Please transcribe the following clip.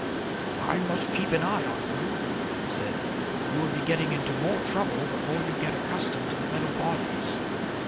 "I must keep an eye on you," he said. "You will be getting into more trouble before you get accustomed to the metal bodies."